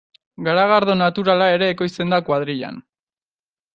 Garagardo naturala ere ekoizten da kuadrillan.